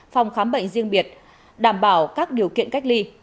phòng khám bệnh riêng biệt đảm bảo các điều kiện cách ly